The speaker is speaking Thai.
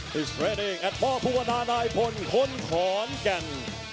ที่เตรียมในประวัติภัณฑ์ประวัติภัณฑ์นายพลคนของกัน